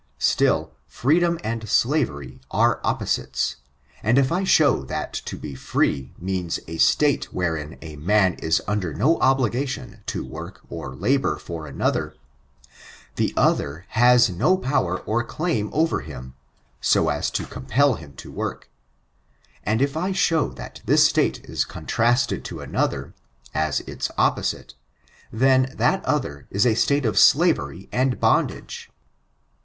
Still, freedom and slavery are opposites; and if I shew that to be free means a state wherein a man is under no obligation to work or labor for another — the other has no power or claim over him, so as to compel him to work ; and if I shew that this state is contrasted to another, as its opposite, then that other is a state of slavery and bondage.